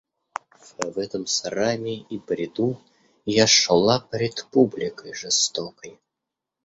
А в этом сраме и бреду Я шла пред публикой жестокой.